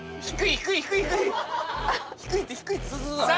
低いって低いって。